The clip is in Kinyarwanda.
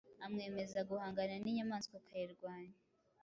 amwemeza guhangana ninyamaswa akayirwanya